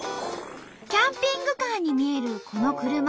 キャンピングカーに見えるこの車。